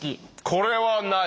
これはない。